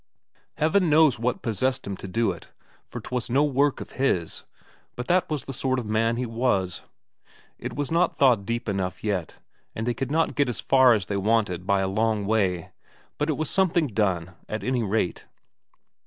Heaven knows what possessed him to do it, for 'twas no work of his, but that was the sort of man he was. It was not thawed deep enough yet, and they could not get as far as they wanted by a long way, but it was something done, at any rate.